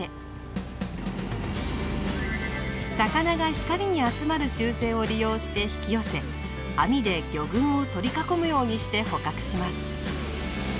魚が光に集まる習性を利用して引き寄せ網で魚群をとり囲むようにして捕獲します。